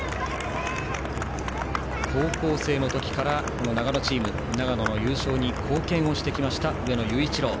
高校生の時から長野チーム、長野の優勝に貢献してきました上野裕一郎。